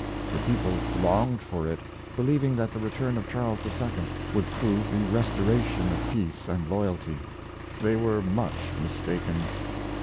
The people longed for it, believing that the return of Charles II. would prove the restoration of peace and loyalty. They were much mistaken.